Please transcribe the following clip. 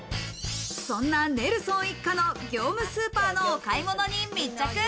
そんなネルソン一家の業務スーパーのお買い物に密着。